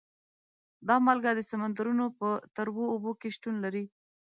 دا مالګه د سمندرونو په تروو اوبو کې شتون لري.